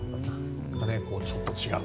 ちょっと違う。